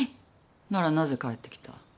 ならなぜ帰ってきた。